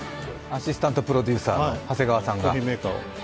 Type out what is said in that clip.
アシスタントプロデューサーの長谷川さんが。